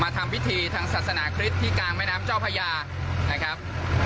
ทำพิธีทางศาสนาคริสต์ที่กลางแม่น้ำเจ้าพญานะครับ